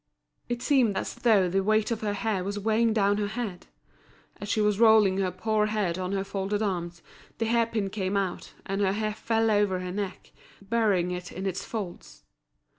It seemed as though the weight of her hair was weighing down her head. As she was rolling her poor head on her folded arms, a hair pin came out, and her hair fell over her neck, burying it in its folds.